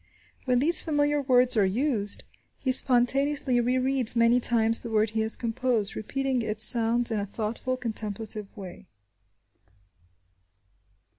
When these familiar words are used, he spontaneously rereads many times the word he has composed, repeating its sounds in a thoughtful, contemplative way.